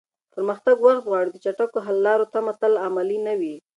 پرمختګ وخت غواړي او د چټکو حل لارو تمه تل عملي نه وي.